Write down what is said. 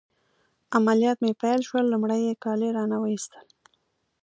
عملیات مې پیل شول، لمړی يې کالي رانه وایستل.